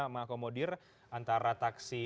mengakomodir antara taksi